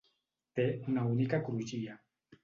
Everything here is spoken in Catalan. Té una única crugia.